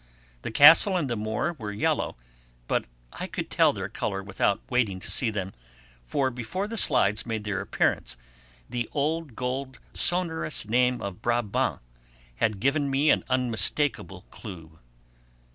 The castle and the moor were yellow, but I could tell their colour without waiting to see them, for before the slides made their appearance the old gold sonorous name of Brabant had given me an unmistakable clue.